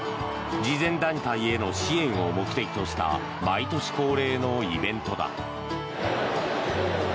慈善団体への支援を目的とした毎年恒例のイベントだ。